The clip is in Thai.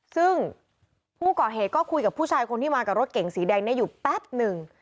ซึ่งผู้ก่อเหตุก็คุยกับผู้ชายคนที่มากับรถเก่งสีแดงนี้อยู่แป๊บหนึ่ง